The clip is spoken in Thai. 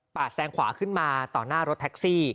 แซงขวาขึ้นมาต่อหน้ารถแท็กซี่